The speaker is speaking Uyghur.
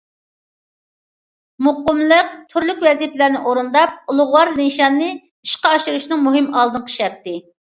مۇقىملىق تۈرلۈك ۋەزىپىلەرنى ئورۇنداپ، ئۇلۇغۋار نىشاننى ئىشقا ئاشۇرۇشنىڭ مۇھىم ئالدىنقى شەرتى.